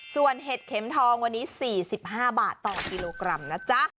ส่วนเห็ดเข็มทองวันนี้๔๕บาทต่อกิโลกรัมนะจ๊ะ